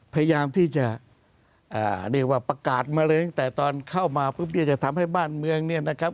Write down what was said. พยายามที่จะเรียกว่าประกาศมาเลยแต่ตอนเข้ามาปุ๊บนี้จะทำให้บ้านเมือง